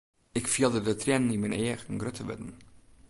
Ik fielde de triennen yn myn eagen grutter wurden.